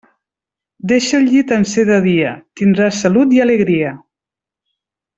Deixa el llit en ser de dia: tindràs salut i alegria.